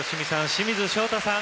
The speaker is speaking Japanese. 清水翔太さん